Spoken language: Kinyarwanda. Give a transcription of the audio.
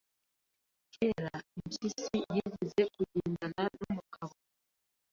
Kera Impyisi yigeze kugendana n'umugabo